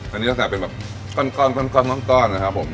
อันนี้ลักษณะเป็นแบบก้อนนะครับผม